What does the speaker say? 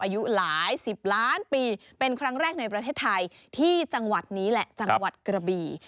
อายุหลายสิบล้านปีเป็นครั้งแรกในประเทศไทยที่จังหวัดนี้แหละจังหวัดกระบี่